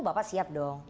bapak siap dong